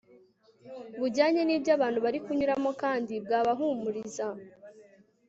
bujyanye n'ibyo abantu bari kunyuramo kandi bwabahumuriza